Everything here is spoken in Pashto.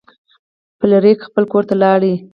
فلیریک خپل کور ته لاړ.